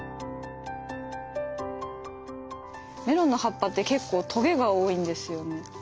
メロンの葉っぱって結構トゲが多いんですよね。